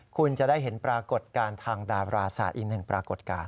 คุณจะได้เห็นปรากฏการณ์ทางดาราศาสตร์อีกหนึ่งปรากฏการณ์